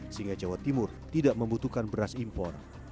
sehingga jawa timur tidak membutuhkan beras impor